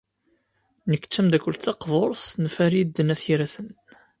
Nekk d tameddakelt taqburt n Farid n At Yiraten.